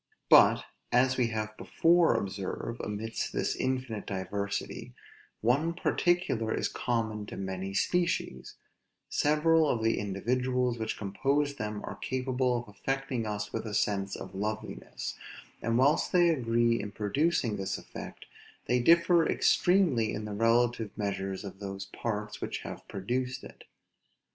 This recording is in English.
But, as we have before observed, amidst this infinite diversity, one particular is common to many species: several of the individuals which compose them are capable of affecting us with a sense of loveliness: and whilst they agree in producing this effect, they differ extremely in the relative measures of those parts which have produced it.